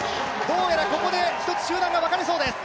どうやらここで一つ、集団が分かれそうです。